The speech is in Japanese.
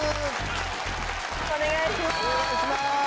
お願いします。